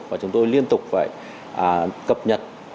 và chúng tôi liên tục phải cập nhật